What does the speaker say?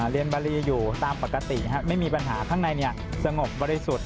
เรียนบารีอยู่ตามปกติไม่มีปัญหาข้างในสงบบริสุทธิ์